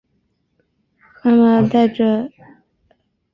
福崎南匝道是位于兵库县神崎郡福崎町的播但连络道路之匝道。